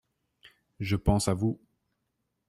Je pense à vous.